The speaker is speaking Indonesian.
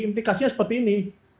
implikasinya seperti ini